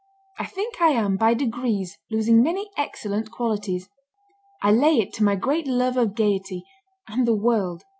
I think I am by degrees losing many excellent qualities. I lay it to my great love of gayety, and the world....